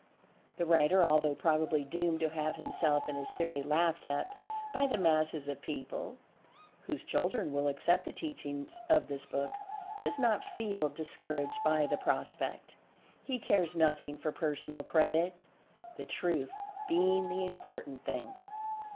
The writer although probably doomed to have himself and his theory laughed at by the masses of people (whose children will accept the teachings of this book) does not feel discouraged by the prospect. He cares nothing for personal credit—the truth being the important thing.